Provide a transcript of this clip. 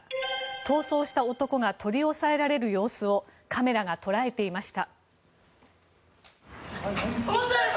逃走した男が取り押さえられる様子をカメラが捉えていました。